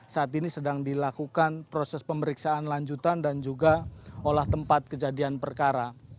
saat ini sedang dilakukan proses pemeriksaan lanjutan dan juga olah tempat kejadian perkara